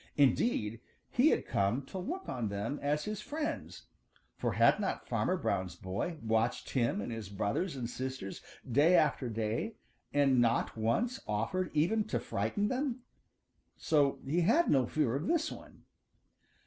Indeed, he had come to look on them as his friends, for had not Farmer Brown's boy watched him and his brothers and sisters day after day, and not once offered even to frighten them? So he had no fear of this one.